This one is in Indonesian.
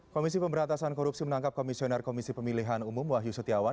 komisi pemberantasan korupsi menangkap komisioner komisi pemilihan umum wahyu setiawan